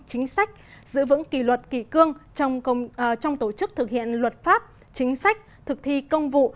chính sách giữ vững kỳ luật kỳ cương trong tổ chức thực hiện luật pháp chính sách thực thi công vụ